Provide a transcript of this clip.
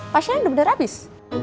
pasiennya udah bener bener habis